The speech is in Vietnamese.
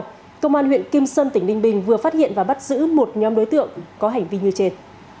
công an huyện kim sơn tỉnh ninh bình vừa phát hiện và bắt giữ một nhóm đối tượng có hành vi như trên